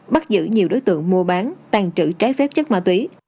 bắt giữ nhiều đối tượng mua bán tàn trữ trái phép chất ma túy